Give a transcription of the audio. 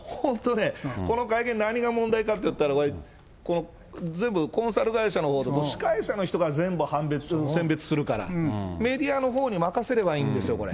だから本当ね、この会見、何が問題かって言ったら、この全部コンサル会社のほうで、司会者の人が全部判別、選別するから、メディアのほうに任せればいいんですよ、これ。